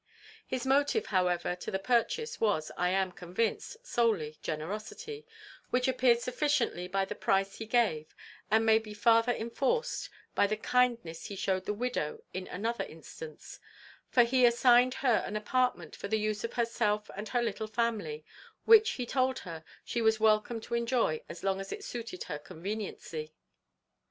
"His motive, however, to the purchase was, I am convinced, solely generosity; which appeared sufficiently by the price he gave, and may be farther inforced by the kindness he shewed the widow in another instance; for he assigned her an apartment for the use of herself and her little family, which, he told her, she was welcome to enjoy as long as it suited her conveniency.